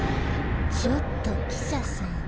ちょっと記者さん。